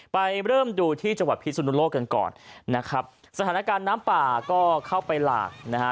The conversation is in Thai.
ไปเริ่มดูที่จังหวัดพิสุนุโลกกันก่อนนะครับสถานการณ์น้ำป่าก็เข้าไปหลากนะฮะ